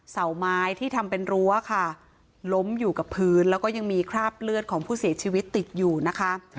เสาไม้ที่ทำเป็นรั้วค่ะล้มอยู่กับพื้นแล้วก็ยังมีคราบเลือดของผู้เสียชีวิตติดอยู่นะคะ